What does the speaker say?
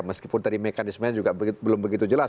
meskipun tadi mekanisme nya juga belum begitu jelas